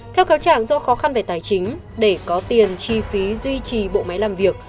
theo cáo chẳng do khó khăn về tài chính để có tiền chi phí duy trì bộ máy làm việc